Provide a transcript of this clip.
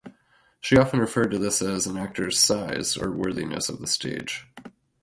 She often referred to this as an actor's "size" or "worthiness of the stage".